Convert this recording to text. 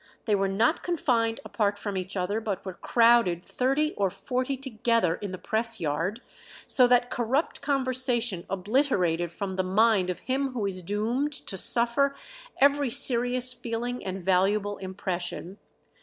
They were not confined apart from each other, but were crowded thirty or forty together in the press yard, so that "corrupt conversation obliterated from the mind of him who is doomed to suffer every serious feeling and valuable impression."